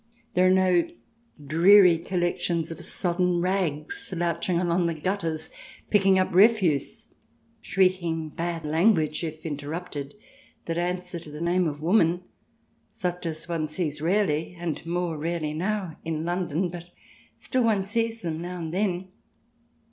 There are no dreary collections of sodden rags slouching along the gutters, picking up refuse, shrieking bad language if interrupted, that answer to the name of "woman," such as one sees rarely and more rarely now in London, but still one sees them now and then.